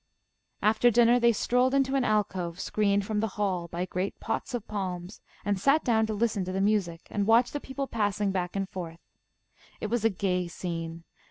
After dinner they strolled into an alcove, screened from the hall by great pots of palms, and sat down to listen to the music, and watch the people passing back and forth. It was a gay scene.